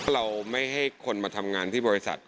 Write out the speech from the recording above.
เราไม่ให้คนมาทำงานที่บริษัท